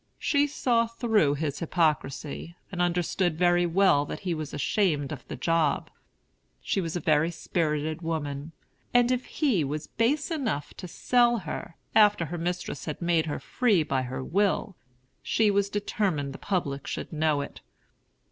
She saw through his hypocrisy, and understood very well that he was ashamed of the job. She was a very spirited woman; and if he was base enough to sell her, after her mistress had made her free by her will, she was determined the public should know it.